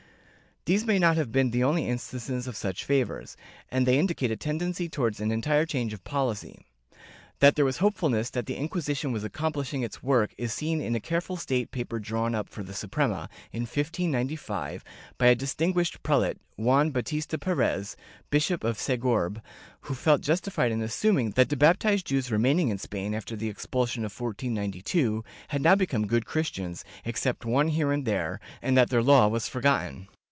These may not have been the only instances of such favors, and they indicate a tendency towards an entire change of policy. That there was hopefulness that the Inquisition was accomplishing its work is seen in a careful state paper drawn up for the Suprema, in 1595, by a distinguished prelate, Juan Bautista Perez, Bishop of Segorbe, who felt justified in assuming that the baptized Jews remaining in Spain, after the expulsion of 1492, had now become good Christians, except one here and there, and that their Law was forgotten.